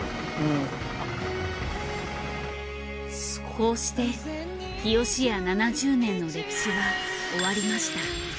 こうして日よしや７０年の歴史は終わりました。